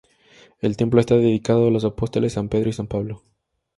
El templo está dedicado a los apóstoles San Pedro y San Pablo.